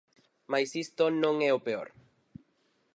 Mais isto non é o peor!